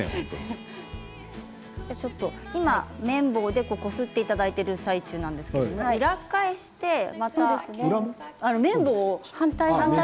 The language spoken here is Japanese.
今、綿棒でこすっていただいている最中なんですけども裏返して、また綿棒を。